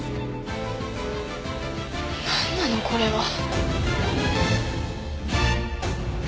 何なのこれは。